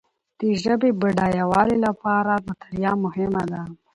د ژبي بډایوالي لپاره مطالعه مهمه ده.